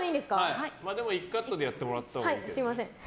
でも１カットでやってもらったほうがいいかな。